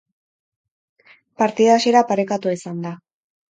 Partida hasiera parekatua izan da.